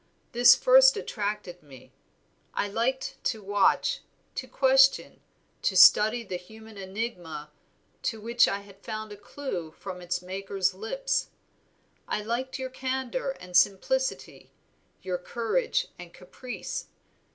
This first attracted me. I liked to watch, to question, to study the human enigma to which I had found a clue from its maker's lips. I liked your candor and simplicity, your courage and caprice.